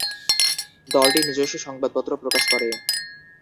দলটি নিজস্ব সংবাদপত্র প্রকাশ করে।